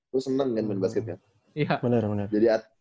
lo seneng kan main basketnya iya bener bener